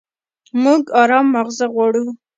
موږ ارام ماغزه غواړو.